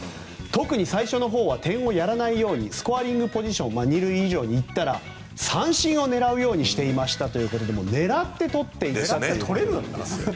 特に最初は点をやらないようにスコアリングポジション２塁以上に行ったら三振を狙うようにしていましたということで狙って取れるんですね。